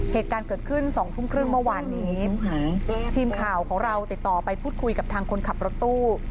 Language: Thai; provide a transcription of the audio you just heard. เหตุการณ์เกิดขึ้นสองทุ่มครึ่งเมื่อวานนี้ทีมข่าวของเราติดต่อไปพูดคุยกับทางคนขับรถตู้